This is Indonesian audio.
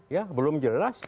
ya belum jelas